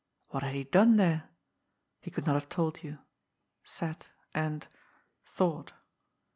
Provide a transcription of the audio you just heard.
What had he done there ? He could not have told you. Sat and — thought.